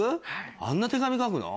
あんな手紙書くの？